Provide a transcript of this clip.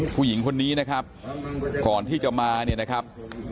ผู้หญิงคนนี้นะครับก่อนที่จะมาเนี่ยนะครับ